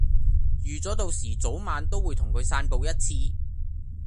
預咗到時早晚都會同佢散步一次